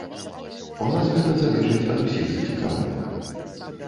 У нас гэта залежыць ад усіх зацікаўленых.